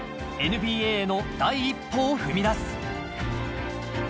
ＮＢＡの第一歩を踏み出す。